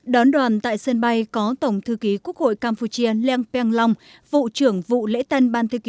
đón đoàn tại sân bay có tổng thư ký quốc hội campuchia leng peng long vụ trưởng vụ lễ tân ban thư ký